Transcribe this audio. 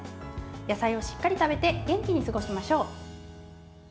野菜をしっかり食べて元気に過ごしましょう。